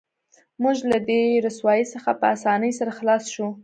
موږ له دې رسوایۍ څخه په اسانۍ سره خلاص شو